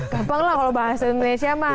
gampang lah kalau bahasa indonesia mah